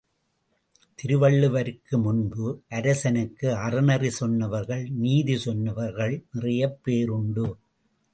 திருவள்ளுவருக்கு முன்பு, அரசனுக்கு அறநெறி சொன்னவர்கள் நீதி சொன்னவர்கள் நிறையப் பேர் உண்டு.